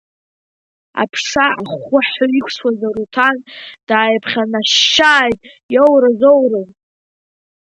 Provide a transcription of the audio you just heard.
Аԥша ахәхәаҳәа иқәсуаз Аруҭан дааиԥхьанашьшьааит иоуразоуроу.